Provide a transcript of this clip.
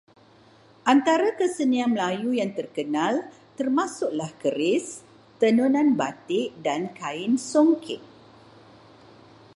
Antara kesenian Melayu yang terkenal termasuklah keris, tenunan batik dan kain songket.